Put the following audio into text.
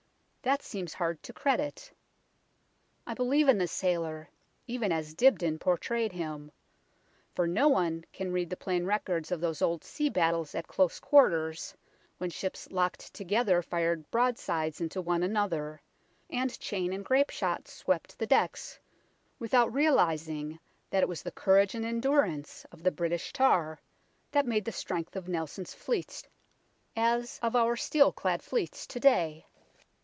That seems hard to credit. I believe in the sailor, even as Dibdin pour trayed him ; for no one can read the plain records of those old sea battles at close quarters, when ships locked together fired broadsides into one another, and chain and grape shot swept the decks, without realizing that it was the courage and endurance of the British tar that made the strength of Nelson's fleets, as of our steel clad WAPPING HIGH STREET 123 fleets to day.